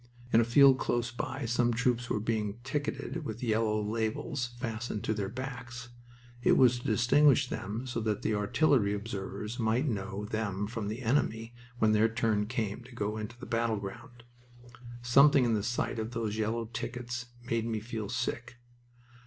In a field close by some troops were being ticketed with yellow labels fastened to their backs. It was to distinguish them so that artillery observers might know them from the enemy when their turn came to go into the battleground. Something in the sight of those yellow tickets made me feel sick.